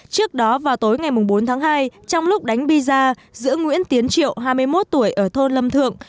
trước đó vào tối ngày bốn tháng hai trong lúc đánh biza giữa nguyễn tiến triệu hai mươi một tuổi ở thôn lâm thượng